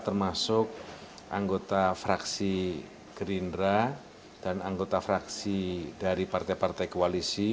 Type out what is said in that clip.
termasuk anggota fraksi gerindra dan anggota fraksi dari partai partai koalisi